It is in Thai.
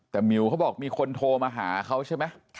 อ๋อแต่มิวเค้าบอกว่ามีคนโทรมาหาเขาใช่มั้ย